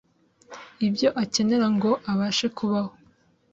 ibyo akenera ngo abashe kubaho,